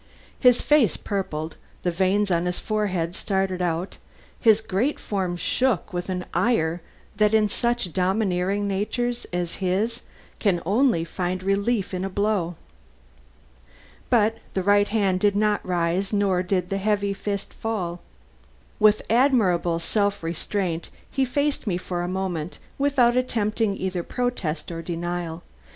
His face purpled, the veins on his forehead started out, his great form shook with an ire that in such domineering natures as his can only find relief in a blow. But the right hand did not rise nor the heavy fist fall. With admirable self restraint he faced me for a moment, without attempting either protest or denial.